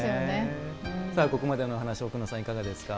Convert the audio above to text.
さあ、ここまでの話奥野さん、いかがですか。